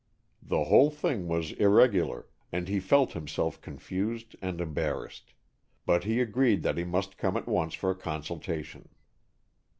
The whole thing was irregular, and he felt himself confused and embarrassed. But he agreed that he must come at once for a consultation.